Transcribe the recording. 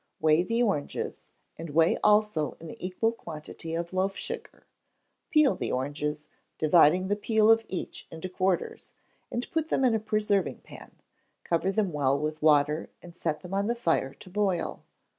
Weigh the oranges, and weigh also an equal quantity of loaf sugar. Peel the oranges, dividing the peel of each into quarters, and put them into a preserving pan; cover them well with water, and set them on the fire to boil.